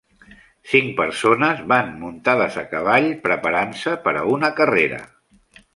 Cinc persones van muntades a cavall preparant-se per a una carrera